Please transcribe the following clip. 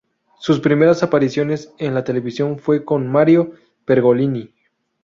Sus primeras apariciones en la televisión fue con Mario Pergolini.